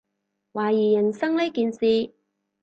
懷疑人生呢件事